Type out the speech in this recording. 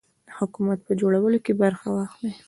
د حکومت په جوړولو کې برخه واخلي.